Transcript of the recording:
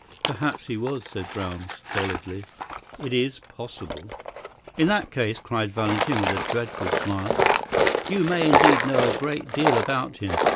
"Perhaps he was," said Brown stolidly; "it is possible." "In that case," cried Valentin, with a dreadful smile, "you may indeed know a great deal about him.